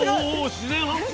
自然発酵？